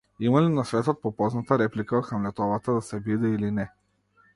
Има ли на светот попозната реплика од Хамлетовата: да се биде или не?